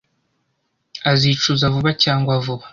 Azicuza vuba cyangwa vuba.